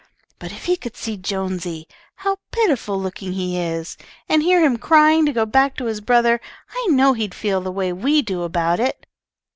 But if he could see Jonesy, how pitiful looking he is, and hear him crying to go back to his brother, I know he'd feel the way we do about it."